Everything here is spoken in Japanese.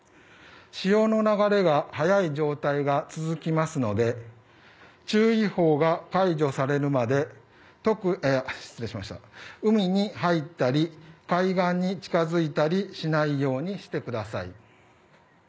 潮の流れが速い状態が続きますので注意報が解除されるまで海に入ったり海岸に近づいたりしないようにしてください。